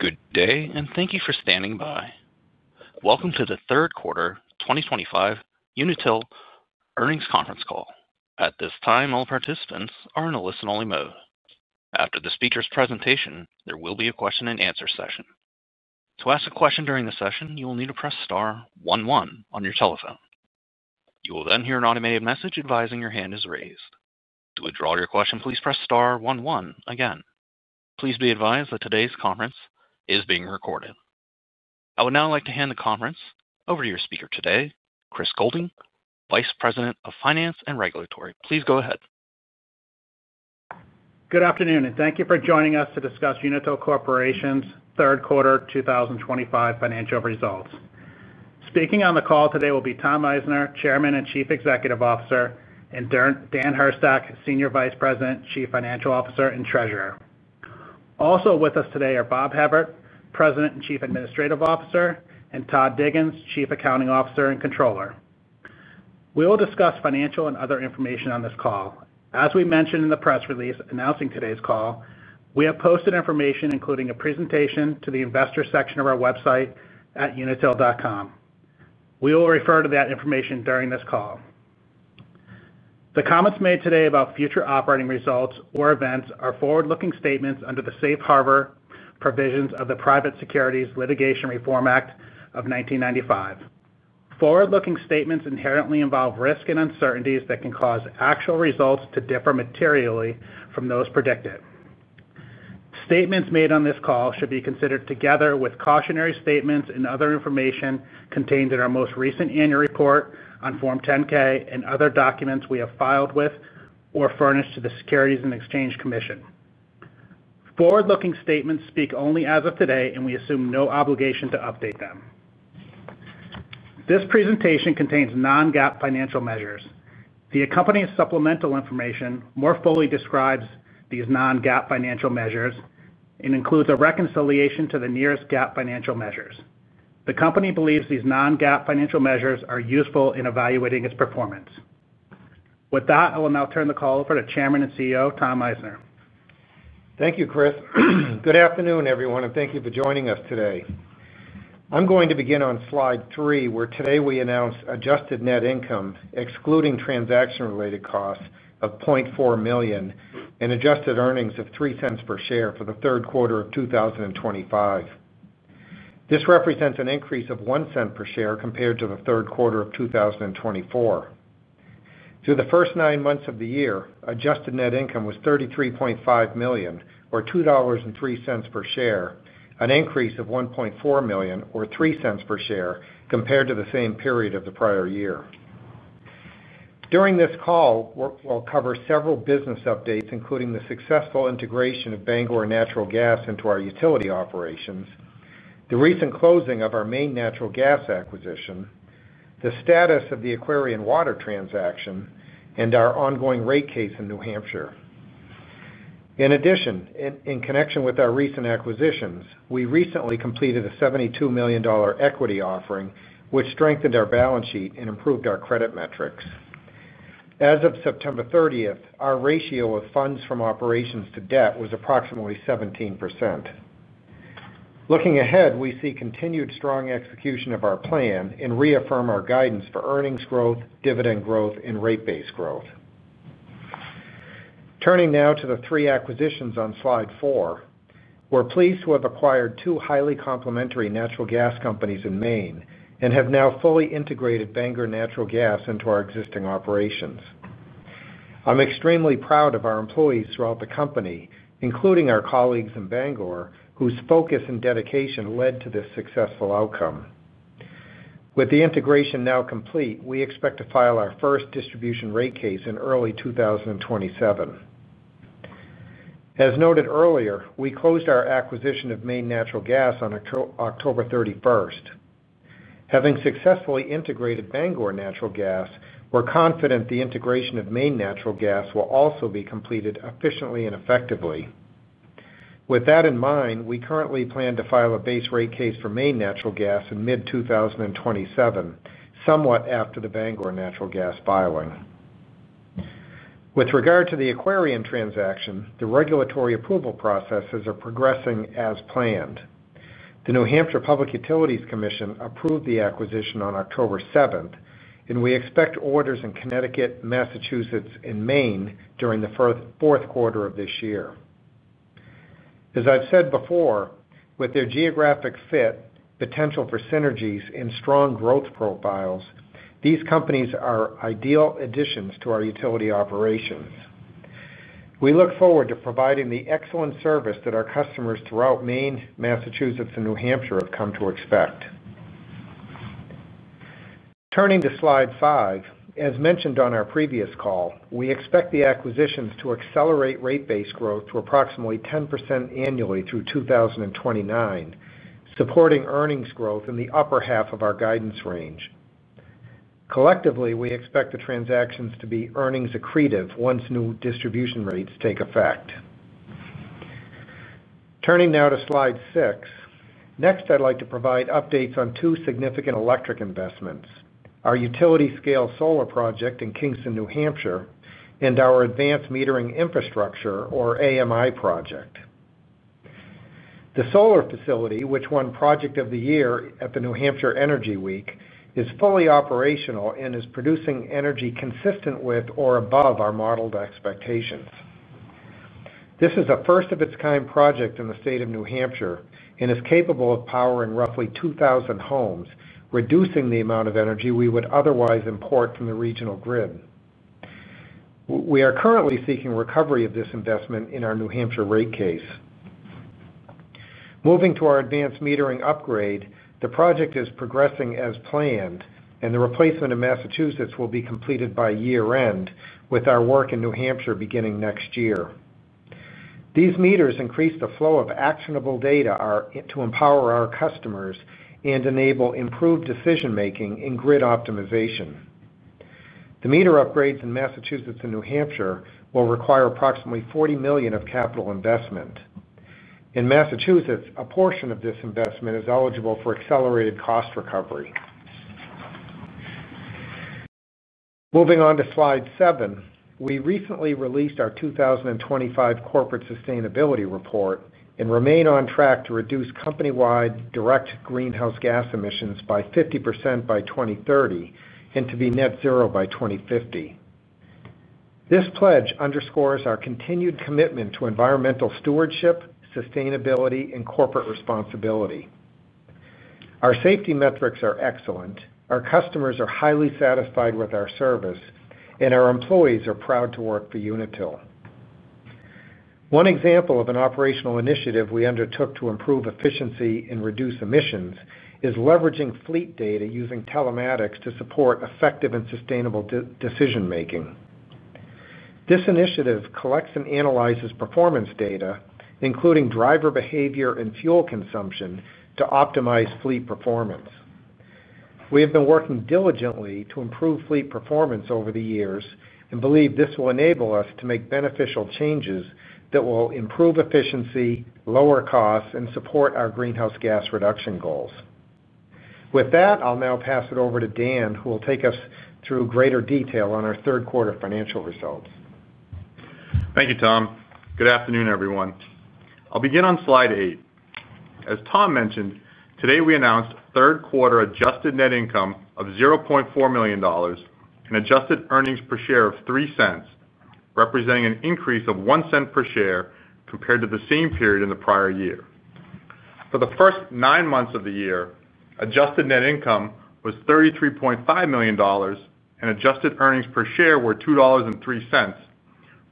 Good day, and thank you for standing by. Welcome to the third quarter 2025 Unitil earnings conference call. At this time, all participants are in a listen-only mode. After the speaker's presentation, there will be a question-and-answer session. To ask a question during the session, you will need to press star one one on your telephone. You will then hear an automated message advising your hand is raised. To withdraw your question, please press star one one again. Please be advised that today's conference is being recorded. I would now like to hand the conference over to your speaker today, Chris Goulding, Vice President of Finance and Regulatory. Please go ahead. Good afternoon, and thank you for joining us to discuss Unitil Corporation's third quarter 2025 financial results. Speaking on the call today will be Tom Meissner, Chairman and Chief Executive Officer, and Dan Hurstak, Senior Vice President, Chief Financial Officer, and Treasurer. Also with us today are Bob Hevert, President and Chief Administrative Officer, and Todd Diggins, Chief Accounting Officer and Controller. We will discuss financial and other information on this call. As we mentioned in the press release announcing today's call, we have posted information including a presentation to the investor section of our website at unitil.com. We will refer to that information during this call. The comments made today about future operating results or events are forward-looking statements under the Safe Harbor provisions of the Private Securities Litigation Reform Act of 1995. Forward-looking statements inherently involve risk and uncertainties that can cause actual results to differ materially from those predicted. Statements made on this call should be considered together with cautionary statements and other information contained in our most recent annual report on Form 10-K and other documents we have filed with or furnished to the Securities and Exchange Commission. Forward-looking statements speak only as of today, and we assume no obligation to update them. This presentation contains non-GAAP financial measures. The accompanying supplemental information more fully describes these non-GAAP financial measures and includes a reconciliation to the nearest GAAP financial measures. The company believes these non-GAAP financial measures are useful in evaluating its performance. With that, I will now turn the call over to Chairman and CEO Tom Meissner. Thank you, Chris. Good afternoon, everyone, and thank you for joining us today. I'm going to begin on slide three, where today we announced adjusted net income, excluding transaction-related costs of $0.4 million, and adjusted earnings of $0.03 per share for the third quarter of 2025. This represents an increase of $0.01 per share compared to the third quarter of 2024. Through the first nine months of the year, adjusted net income was $33.5 million, or $2.03 per share, an increase of $1.4 million, or $0.03 per share, compared to the same period of the prior year. During this call, we'll cover several business updates, including the successful integration of Bangor Natural Gas into our utility operations, the recent closing of our Maine Natural Gas acquisition, the status of the Aquarion Water transaction, and our ongoing rate case in New Hampshire. In addition, in connection with our recent acquisitions, we recently completed a $72 million equity offering, which strengthened our balance sheet and improved our credit metrics. As of September 30th, our ratio of funds from operations to debt was approximately 17%. Looking ahead, we see continued strong execution of our plan and reaffirm our guidance for earnings growth, dividend growth, and rate-based growth. Turning now to the three acquisitions on slide four. We're pleased to have acquired two highly complementary natural gas companies in Maine and have now fully integrated Bangor Natural Gas into our existing operations. I'm extremely proud of our employees throughout the company, including our colleagues in Bangor, whose focus and dedication led to this successful outcome. With the integration now complete, we expect to file our first distribution rate case in early 2027. As noted earlier, we closed our acquisition of Maine Natural Gas on October 31st. Having successfully integrated Bangor Natural Gas, we're confident the integration of Maine Natural Gas will also be completed efficiently and effectively. With that in mind, we currently plan to file a base rate case for Maine Natural Gas in mid-2027, somewhat after the Bangor Natural Gas filing. With regard to the Aquarion transaction, the regulatory approval processes are progressing as planned. The New Hampshire Public Utilities Commission approved the acquisition on October 7th, and we expect orders in Connecticut, Massachusetts, and Maine during the fourth quarter of this year. As I've said before, with their geographic fit, potential for synergies, and strong growth profiles, these companies are ideal additions to our utility operations. We look forward to providing the excellent service that our customers throughout Maine, Massachusetts, and New Hampshire have come to expect. Turning to slide five, as mentioned on our previous call, we expect the acquisitions to accelerate rate-based growth to approximately 10% annually through 2029. Supporting earnings growth in the upper half of our guidance range. Collectively, we expect the transactions to be earnings-accretive once new distribution rates take effect. Turning now to slide six, next I'd like to provide updates on two significant electric investments: our utility-scale solar project in Kingston, New Hampshire, and our advanced metering infrastructure, or AMI, project. The solar facility, which won Project of the Year at the New Hampshire Energy Week, is fully operational and is producing energy consistent with or above our modeled expectations. This is a first-of-its-kind project in the state of New Hampshire and is capable of powering roughly 2,000 homes, reducing the amount of energy we would otherwise import from the regional grid. We are currently seeking recovery of this investment in our New Hampshire rate case. Moving to our advanced metering upgrade, the project is progressing as planned, and the replacement in Massachusetts will be completed by year-end, with our work in New Hampshire beginning next year. These meters increase the flow of actionable data to empower our customers and enable improved decision-making and grid optimization. The meter upgrades in Massachusetts and New Hampshire will require approximately $40 million of capital investment. In Massachusetts, a portion of this investment is eligible for accelerated cost recovery. Moving on to slide seven, we recently released our 2025 Corporate Sustainability Report and remain on track to reduce company-wide direct greenhouse gas emissions by 50% by 2030 and to be net zero by 2050. This pledge underscores our continued commitment to environmental stewardship, sustainability, and corporate responsibility. Our safety metrics are excellent, our customers are highly satisfied with our service, and our employees are proud to work for Unitil. One example of an operational initiative we undertook to improve efficiency and reduce emissions is leveraging fleet data using telematics to support effective and sustainable decision-making. This initiative collects and analyzes performance data, including driver behavior and fuel consumption, to optimize fleet performance. We have been working diligently to improve fleet performance over the years and believe this will enable us to make beneficial changes that will improve efficiency, lower costs, and support our greenhouse gas reduction goals. With that, I'll now pass it over to Dan, who will take us through greater detail on our third quarter financial results. Thank you, Tom. Good afternoon, everyone. I'll begin on slide eight. As Tom mentioned, today we announced third quarter adjusted net income of $0.4 million. And adjusted earnings per share of $0.03, representing an increase of $0.01 per share compared to the same period in the prior year. For the first nine months of the year, adjusted net income was $33.5 million, and adjusted earnings per share were $2.03.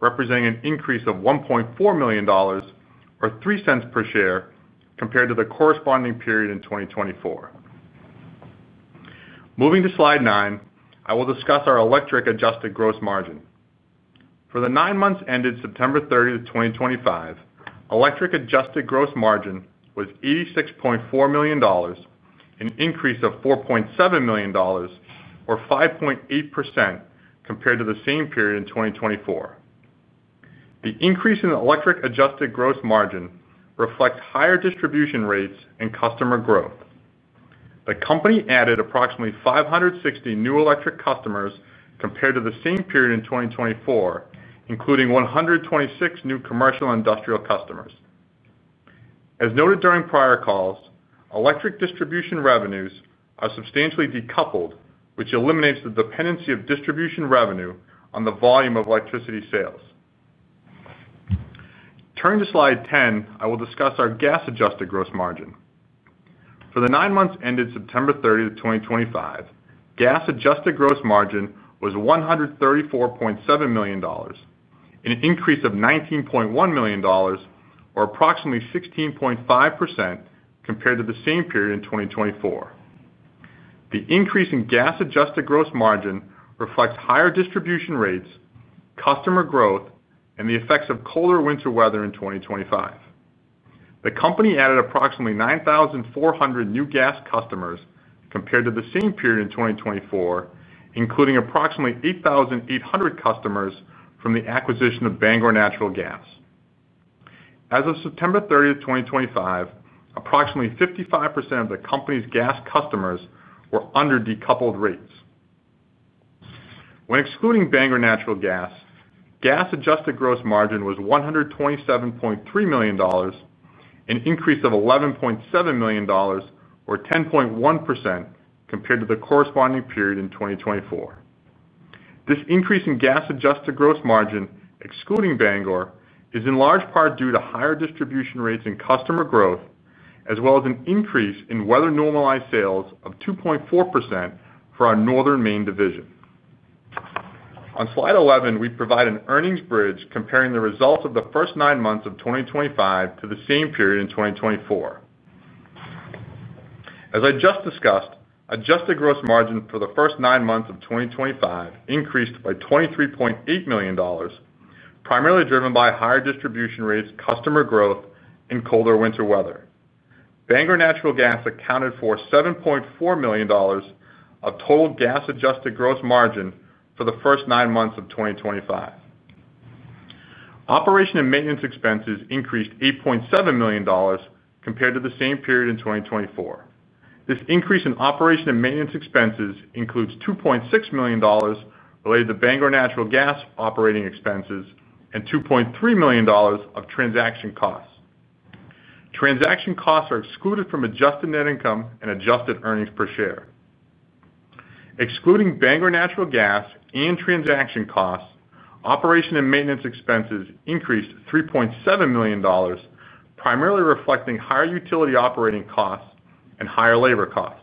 Representing an increase of $1.4 million. Or $0.03 per share compared to the corresponding period in 2024. Moving to slide nine, I will discuss our electric adjusted gross margin. For the nine months ended September 30th, 2025, electric adjusted gross margin was $86.4 million. An increase of $4.7 million, or 5.8%, compared to the same period in 2024. The increase in electric adjusted gross margin reflects higher distribution rates and customer growth. The company added approximately 560 new electric customers compared to the same period in 2024, including 126 new commercial industrial customers. As noted during prior calls, electric distribution revenues are substantially decoupled, which eliminates the dependency of distribution revenue on the volume of electricity sales. Turning to slide 10, I will discuss our gas adjusted gross margin. For the nine months ended September 30th, 2025, gas adjusted gross margin was $134.7 million. An increase of $19.1 million, or approximately 16.5%, compared to the same period in 2024. The increase in gas adjusted gross margin reflects higher distribution rates, customer growth, and the effects of colder winter weather in 2025. The company added approximately 9,400 new gas customers compared to the same period in 2024, including approximately 8,800 customers from the acquisition of Bangor Natural Gas. As of September 30th, 2025, approximately 55% of the company's gas customers were under decoupled rates. When excluding Bangor Natural Gas, gas adjusted gross margin was $127.3 million. An increase of $11.7 million, or 10.1%, compared to the corresponding period in 2024. This increase in gas adjusted gross margin, excluding Bangor, is in large part due to higher distribution rates and customer growth, as well as an increase in weather normalized sales of 2.4% for our northern Maine division. On slide 11, we provide an earnings bridge comparing the results of the first nine months of 2025 to the same period in 2024. As I just discussed, adjusted gross margin for the first nine months of 2025 increased by $23.8 million. Primarily driven by higher distribution rates, customer growth, and colder winter weather. Bangor Natural Gas accounted for $7.4 million. Of total gas adjusted gross margin for the first nine months of 2025. Operation and maintenance expenses increased $8.7 million compared to the same period in 2024. This increase in operation and maintenance expenses includes $2.6 million. Related to Bangor Natural Gas operating expenses and $2.3 million of transaction costs. Transaction costs are excluded from adjusted net income and adjusted earnings per share. Excluding Bangor Natural Gas and transaction costs, operation and maintenance expenses increased $3.7 million, primarily reflecting higher utility operating costs and higher labor costs.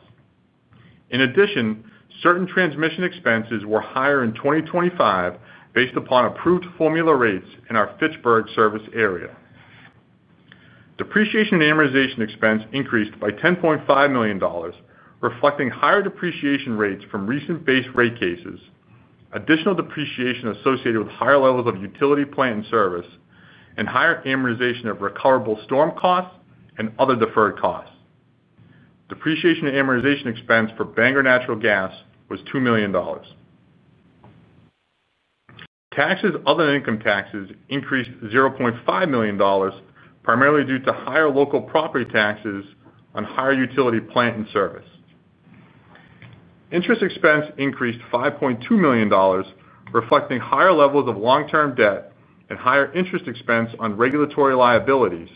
In addition, certain transmission expenses were higher in 2025 based upon approved formula rates in our Fitchburg service area. Depreciation and amortization expense increased by $10.5 million, reflecting higher depreciation rates from recent base rate cases, additional depreciation associated with higher levels of utility plant and service, and higher amortization of recoverable storm costs and other deferred costs. Depreciation and amortization expense for Bangor Natural Gas was $2 million. Taxes, other than income taxes, increased $0.5 million, primarily due to higher local property taxes on higher utility plant and service. Interest expense increased $5.2 million, reflecting higher levels of long-term debt and higher interest expense on regulatory liabilities,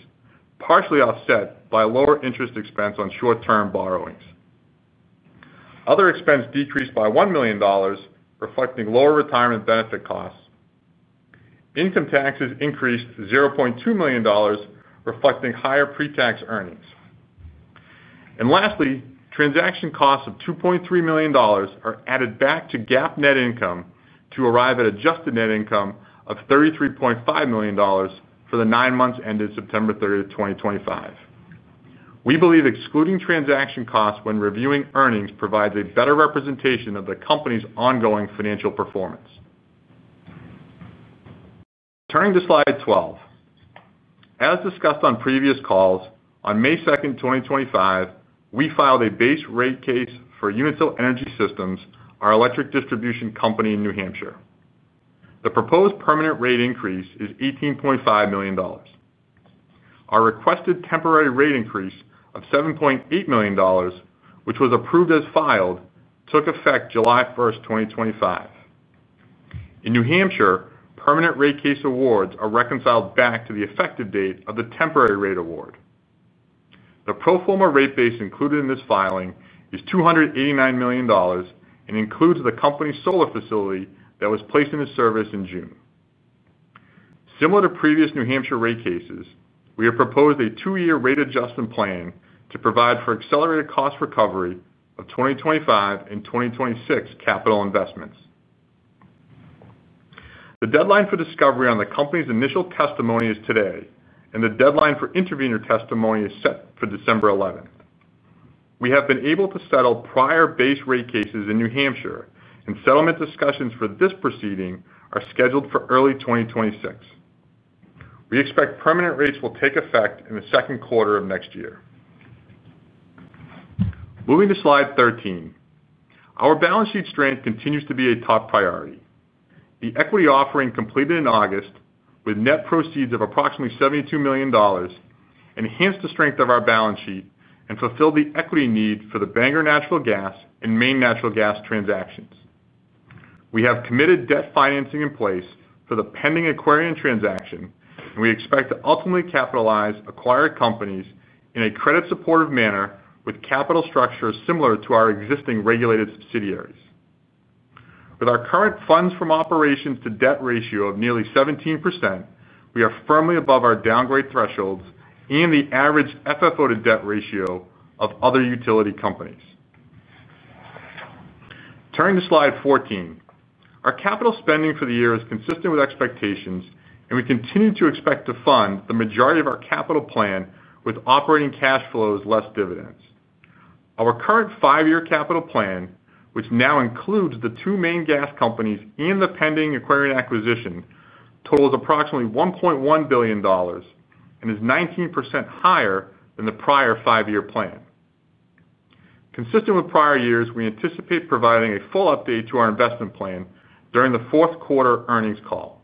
partially offset by lower interest expense on short-term borrowings. Other expense decreased by $1 million, reflecting lower retirement benefit costs. Income taxes increased $0.2 million, reflecting higher pre-tax earnings. And lastly, transaction costs of $2.3 million are added back to GAAP net income to arrive at adjusted net income of $33.5 million for the nine months ended September 30th, 2025. We believe excluding transaction costs when reviewing earnings provides a better representation of the company's ongoing financial performance. Turning to slide 12. As discussed on previous calls, on May 2nd, 2025, we filed a base rate case for Unitil Energy Systems, our electric distribution company in New Hampshire. The proposed permanent rate increase is $18.5 million. Our requested temporary rate increase of $7.8 million, which was approved as filed, took effect July 1st, 2025. In New Hampshire, permanent rate case awards are reconciled back to the effective date of the temporary rate award. The pro forma rate base included in this filing is $289 million and includes the company's solar facility that was placed into service in June. Similar to previous New Hampshire rate cases, we have proposed a two-year rate adjustment plan to provide for accelerated cost recovery of 2025 and 2026 capital investments. The deadline for discovery on the company's initial testimony is today, and the deadline for intervenor testimony is set for December 11th. We have been able to settle prior base rate cases in New Hampshire, and settlement discussions for this proceeding are scheduled for early 2026. We expect permanent rates will take effect in the second quarter of next year. Moving to slide 13. Our balance sheet strength continues to be a top priority. The equity offering completed in August, with net proceeds of approximately $72 million, enhanced the strength of our balance sheet and fulfilled the equity need for the Bangor Natural Gas and Maine Natural Gas transactions. We have committed debt financing in place for the pending Aquarion transaction, and we expect to ultimately capitalize acquired companies in a credit-supportive manner with capital structures similar to our existing regulated subsidiaries. With our current funds from operations to debt ratio of nearly 17%, we are firmly above our downgrade thresholds and the average FFO to debt ratio of other utility companies. Turning to slide 14, our capital spending for the year is consistent with expectations, and we continue to expect to fund the majority of our capital plan with operating cash flows less dividends. Our current five-year capital plan, which now includes the two Maine gas companies and the pending Aquarion acquisition, totals approximately $1.1 billion and is 19% higher than the prior five-year plan. Consistent with prior years, we anticipate providing a full update to our investment plan during the fourth quarter earnings call.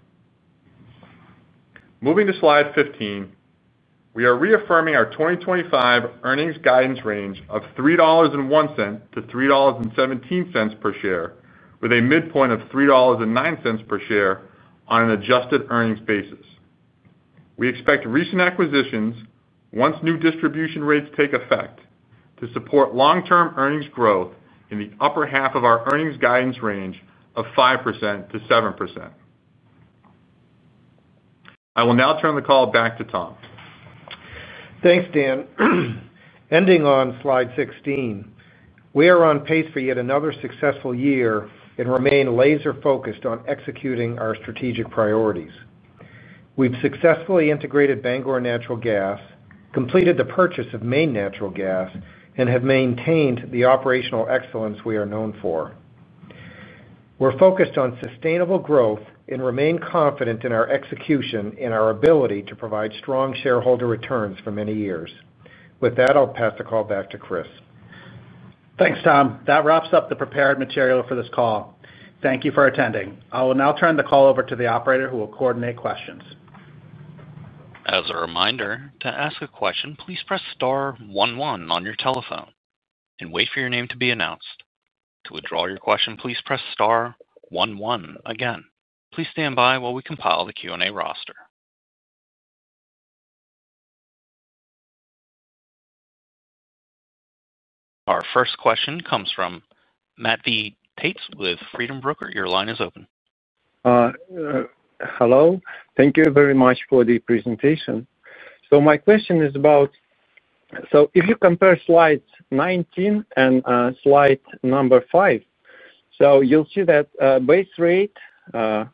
Moving to slide 15, we are reaffirming our 2025 earnings guidance range of $3.01-$3.17 per share, with a midpoint of $3.09 per share on an adjusted earnings basis. We expect recent acquisitions, once new distribution rates take effect, to support long-term earnings growth in the upper half of our earnings guidance range of 5%-7%. I will now turn the call back to Tom. Thanks, Dan. Ending on slide 16. We are on pace for yet another successful year and remain laser-focused on executing our strategic priorities. We've successfully integrated Bangor Natural Gas, completed the purchase of Maine Natural Gas, and have maintained the operational excellence we are known for. We're focused on sustainable growth and remain confident in our execution and our ability to provide strong shareholder returns for many years. With that, I'll pass the call back to Chris. Thanks, Tom. That wraps up the prepared material for this call. Thank you for attending. I will now turn the call over to the operator who will coordinate questions. As a reminder, to ask a question, please press star one one on your telephone and wait for your name to be announced. To withdraw your question, please press star one one again. Please stand by while we compile the Q&A roster. Our first question comes from Matt V. Tates with Freedom Broker. Your line is open. Hello. Thank you very much for the presentation. So my question is about so if you compare slide 19 and slide number five, so you'll see that rate base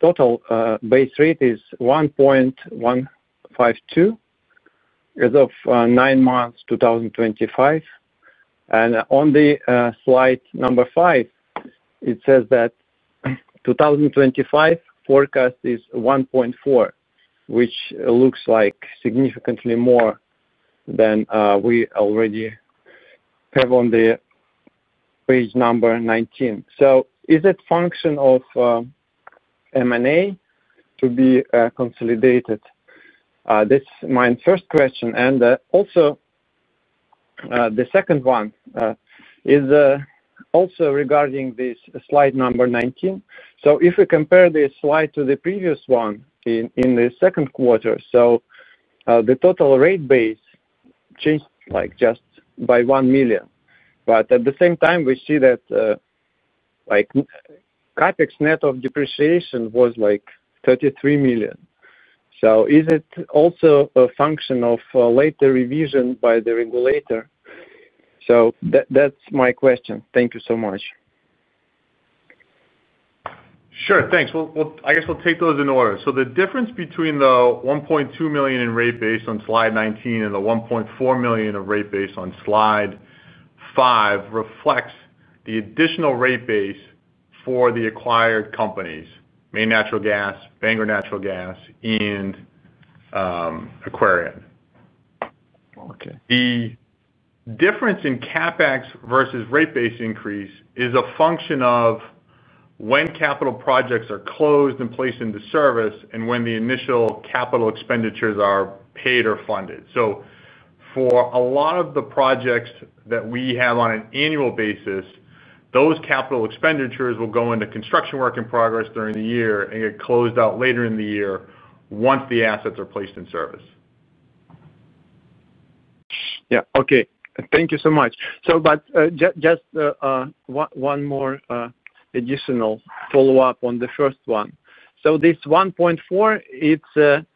total rate base is $1.152 billion as of nine months 2025. And on the slide number five, it says that 2025 forecast is $1.4 billion, which looks like significantly more than we already have on the slide number 19. So is it a function of M&A to be consolidated? This is my first question. And also the second one is also regarding this slide number 19. So if we compare this slide to the previous one in the second quarter, so the total rate base changed just by $1 million. But at the same time, we see that capex net of depreciation was like $33 million. So is it also a function of later revision by the regulator? So that's my question. Thank you so much. Sure. Thanks. I guess we'll take those in order. So the difference between the $1.2 million in rate base on slide 19 and the $1.4 million of rate base on slide 5 reflects the additional rate base for the acquired companies: Maine Natural Gas, Bangor Natural Gas, and Aquarion. The difference in CapEx versus rate base increase is a function of when capital projects are closed and placed into service and when the initial capital expenditures are paid or funded. So for a lot of the projects that we have on an annual basis, those capital expenditures will go into construction work in progress during the year and get closed out later in the year once the assets are placed in service. Yeah. Okay. Thank you so much. But just one more additional follow-up on the first one. So this $1.4 million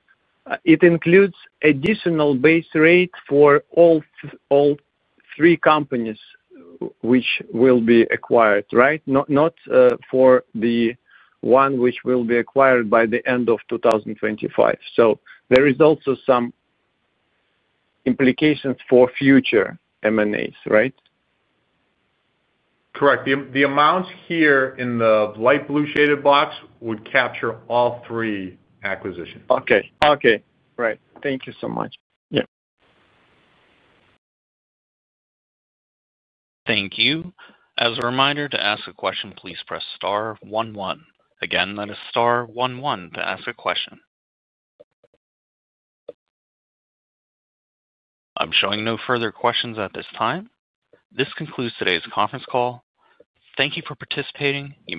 includes additional base rate for all three companies which will be acquired, right? Not for the one which will be acquired by the end of 2025. So there is also some implications for future M&As, right? Correct. The amounts here in the light blue shaded box would capture all three acquisitions. Okay. Okay. Right. Thank you so much. Yeah. Thank you. As a reminder, to ask a question, please press star one one. Again, that is star one one to ask a question. I'm showing no further questions at this time. This concludes today's conference call. Thank you for participating. You may.